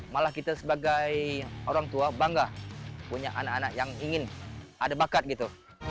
malah kita sebagai orang tua bangga punya anak anak yang ingin ada bakat gitu